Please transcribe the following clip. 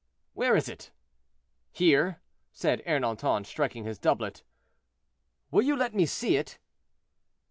"—"Where is it?" "Here," said Ernanton, striking his doublet. "Will you let me see it?"